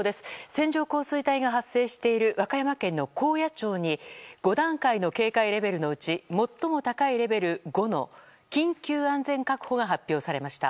線状降水帯が発生している和歌山県の高野町に５段階の警戒レベルのうち最も高いレベル５の緊急安全確保が発表されました。